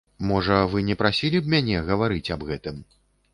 Можа, вы не прасілі б мяне гаварыць аб гэтым?